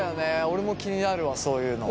俺も気になるわそういうの。